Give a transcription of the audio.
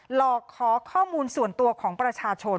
หลอกขอข้อมูลส่วนตัวของประชาชน